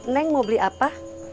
neng mau beli apa